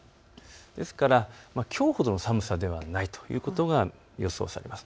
ですから、きょうほどの寒さではないということが予想されます。